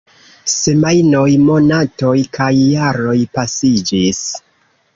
Semajnoj, monatoj, kaj jaroj pasiĝis.